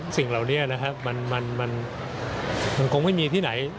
สิ่งเหล่านี้นะครับมันคงไม่มีที่ไหน